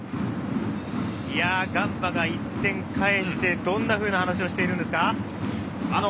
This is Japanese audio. ガンバが１点返してどんな話をしているんですか？